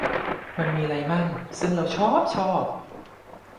มันมีไรมั่ง ซึ่งเราช้อบชอบ